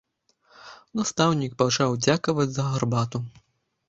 Настаўнік пачаў дзякаваць за гарбату.